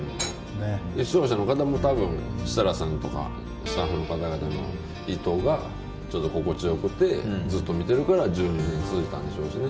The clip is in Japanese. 視聴者の方も設楽さんとかスタッフの方の空気が心地良くて、ずっと見てるから１２年続いたんでしょうしね。